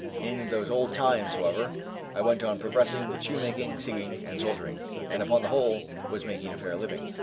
In those old times, however, I went on progressing with shoemaking, singing, and soldiering, and, upon the whole, was making a fair living.